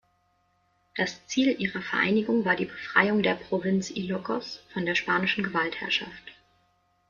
Das Ziel ihrer Vereinigung war die Befreiung der Provinz Ilocos von der spanischen Gewaltherrschaft.